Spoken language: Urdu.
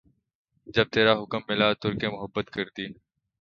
جب ترا حکم ملا ترک محبت کر دی